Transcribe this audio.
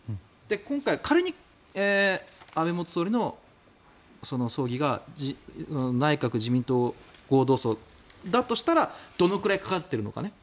今回、仮に安倍元総理の葬儀が内閣・自民党合同葬だとしたらどのくらいかかっているのか。